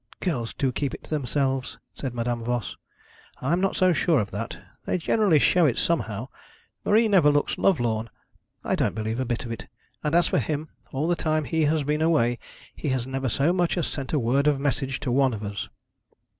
'Girls do keep it to themselves,' said Madame Voss. 'I'm not so sure of that. They generally show it somehow. Marie never looks lovelorn. I don't believe a bit of it; and as for him, all the time he has been away he has never so much as sent a word of a message to one of us.'